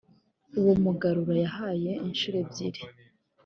uwo mugarura yahaye inshuro ebyiri